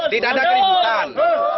tidak ada keributan